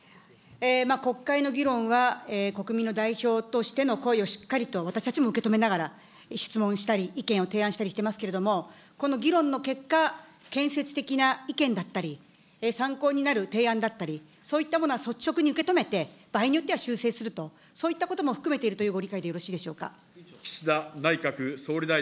国会の議論は、国民の代表としての声をしっかりと、私たちも受け止めながら、質問したり、意見を提案したりしていますけれども、この議論の結果、建設的な意見だったり、参考になる提案だったり、そういったものは率直に受け止めて、場合によっては修正すると、そういったことも含めているというご理解でよろしいでしょうか。